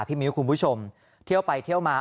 มิ้วคุณผู้ชมเที่ยวไปเที่ยวมา